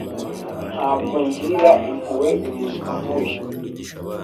Ntabwo ngirira impuhwe umuswa nkuyu.